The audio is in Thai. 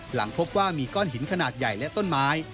หลังพบว่ามีก้อนหินขนาดใหญ่และต้นไม้